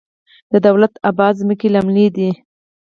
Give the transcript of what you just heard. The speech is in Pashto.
د دولت اباد ځمکې للمي دي